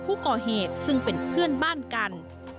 ผู้ก่อเหตุซึ่งเป็นเพื่อนบ้านกัน